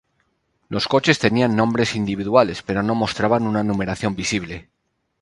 Los coches tenían nombres individuales, pero no mostraban una numeración visible.